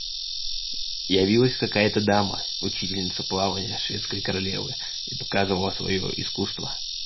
Явилась какая-то дама, учительница плаванья Шведской королевы, и показывала свое искусство.